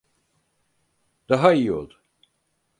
Daha iyi oldu.